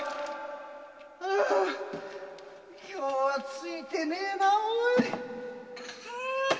今日はついてねえなおい。